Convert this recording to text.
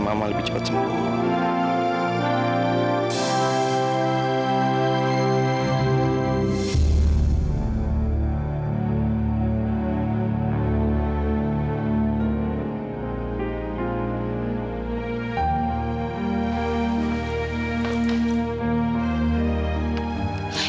mas prabu sudah selesai